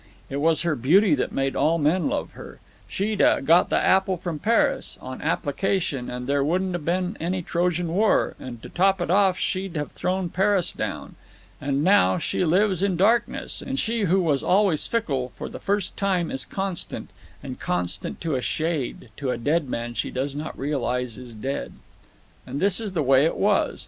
It was her beauty that made all men love her. She'd 'a' got the apple from Paris, on application, and there wouldn't have been any Trojan War, and to top it off she'd have thrown Paris down. And now she lives in darkness, and she who was always fickle, for the first time is constant—and constant to a shade, to a dead man she does not realize is dead. "And this is the way it was.